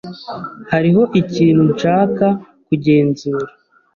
Hariho ikintu nshaka kugenzura.